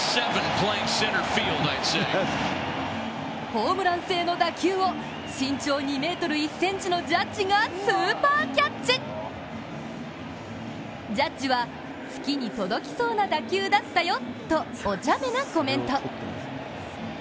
ホームラン性の打球を身長２ｍ１ｃｍのジャッジがスーパーキャッチジャッジは月に届きそうな打球だったよっとお茶目なコメント。